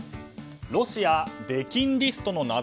ロシア、出禁リストの謎。